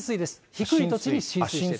低い土地に浸水。